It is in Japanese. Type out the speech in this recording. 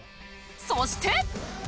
そして